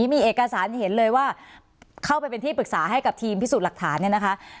มีเอกสารเห็นเลยว่าเข้าไปเป็นที่ปรึกษาให้กับทีมพิสูจน์หลักฐานเนี่ยนะคะ